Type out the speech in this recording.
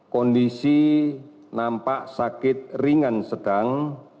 kondisi nampak sakit ringan sedang